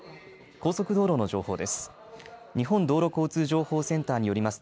高速道路の情報です。